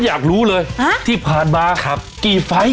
อยากรู้เลยที่ผ่านมากี่ไฟล์